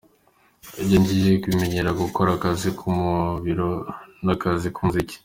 Ibyo nigiye binyemerera gukora akazi ko mubiro n’akazi k’umuziki.